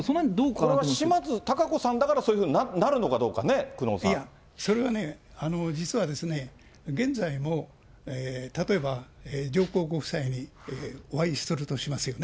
これは島津貴子さんだから、そういうふうになるのかどうかね、いや、それはね、実は現在も、例えば上皇ご夫妻にお会いするとしますよね。